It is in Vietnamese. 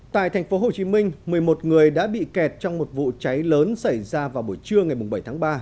tại thành phố hồ chí minh một mươi một người đã bị kẹt trong một vụ cháy lớn xảy ra vào buổi trưa ngày bảy tháng ba